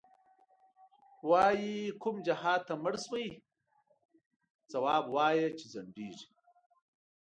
وایې کوم جهادته مړ شوی، ځواب وایه چی ځندیږی